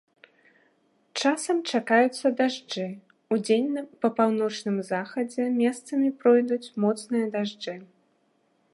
Часам чакаюцца дажджы, удзень па паўночным захадзе месцамі пройдуць моцныя дажджы.